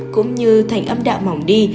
cũng như thành âm đạo mỏng đi